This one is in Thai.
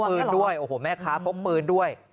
พบปืนด้วยแม่คะพบปืนด้วย